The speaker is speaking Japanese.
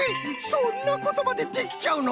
そんなことまでできちゃうの！